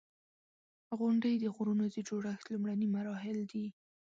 • غونډۍ د غرونو د جوړښت لومړني مراحل دي.